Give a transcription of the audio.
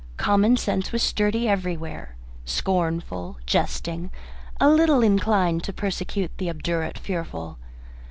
Common sense was sturdy everywhere, scornful, jesting, a little inclined to persecute the obdurate fearful.